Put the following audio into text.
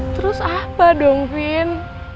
terus apa dong vin